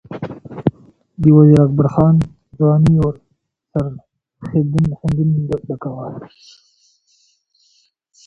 د وزیر اکبر خان ځواني د سرښندنې ډکه وه.